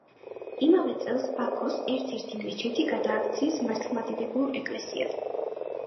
იმავე წელს ბაქოს ერთ-ერთი მეჩეთი გადააქციეს მართლმადიდებლურ ეკლესიად.